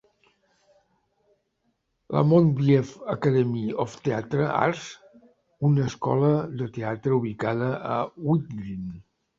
La Mountview Academy of Theatre Arts, una escola de teatre ubicada a Wood Green.